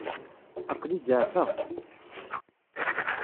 Aql-i zeɛfeɣ.